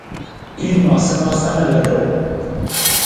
Hin noosanoosa na ludu.